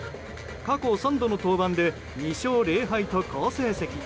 過去３度の登板で２勝０敗と好成績。